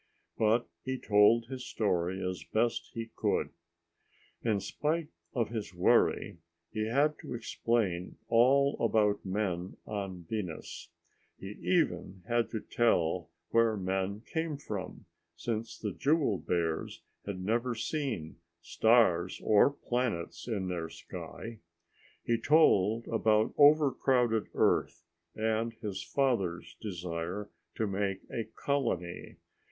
But he told his story as best he could. In spite of his worry, he had to explain all about men on Venus. He even had to tell where men came from, since the jewel bears had never seen stars or planets in their sky. He told about overcrowded Earth and his father's desire to make a colony.